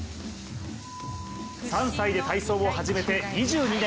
３歳で体操を始めて２２年。